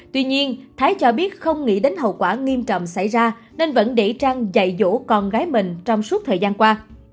tuy nhiên thái cho biết không nghĩ đến hậu quả nghiêm trọng xảy ra nên vẫn để trăng dạy dỗ con gái mình trong suốt thời gian qua